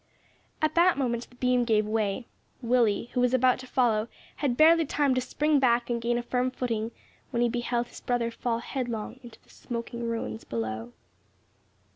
At that moment the beam gave way. Willie, who was about to follow, had barely time to spring back and gain a firm footing, when he beheld his brother fall headlong into the smoking ruins below.